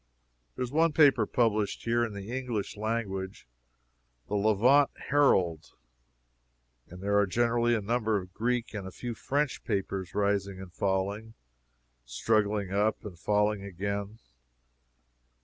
There is one paper published here in the English language The Levant Herald and there are generally a number of Greek and a few French papers rising and falling, struggling up and falling again.